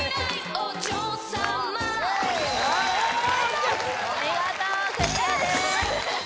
お見事クリアです